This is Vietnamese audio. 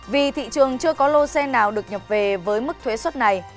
vì thị trường chưa có lô xe nào được nhập về với mức thuế xuất này